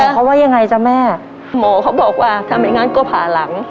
แต่เขาว่ายังไงจ๊ะแม่หมอเขาบอกว่าถ้าไม่งั้นก็ผ่าหลัง